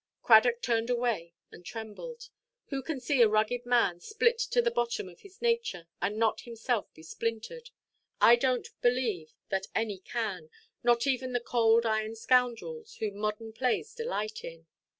Cradock turned away, and trembled. Who can see a rugged man split to the bottom of his nature, and not himself be splintered? I donʼt believe that any can: not even the cold iron scoundrels whom modern plays delight in.